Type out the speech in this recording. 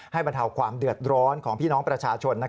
บรรเทาความเดือดร้อนของพี่น้องประชาชน